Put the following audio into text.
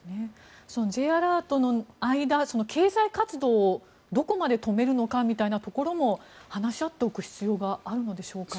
Ｊアラートの間経済活動をどこまで止めるのかみたいなところも話し合っておく必要があるのでしょうか。